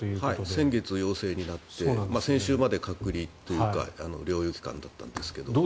先月、陽性になって先週まで隔離というか療養期間だったんですけど。